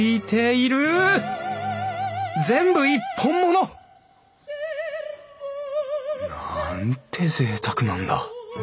全部一本物！なんてぜいたくなんだ！